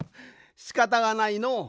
しかたがないのう。